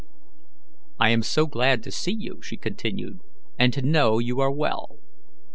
"I am so glad to see you," she continued, "and to know you are well.